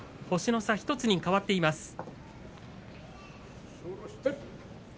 星の差１つに変わっています。